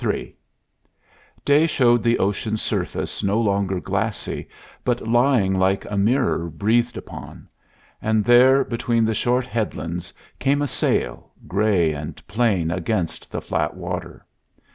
III Day showed the ocean's surface no longer glassy, but lying like a mirror breathed upon; and there between the short headlands came a sail, gray and plain against the flat water.